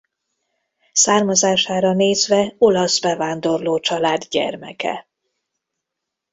Származására nézve olasz bevándorló család gyermeke.